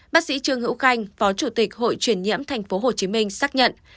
bác sĩ trương hữu khanh phó chủ tịch hội chuyển nhiễm tp hcm xác nhận